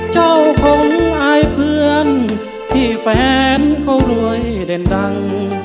เจ้าของอายเพื่อนที่แฟนเขารวยเด่นดัง